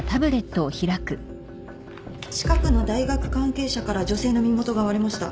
近くの大学関係者から女性の身元が割れました。